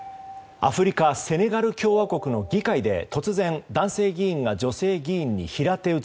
アフリカセネガル共和国の議会で突然、男性議員が女性議員に平手打ち。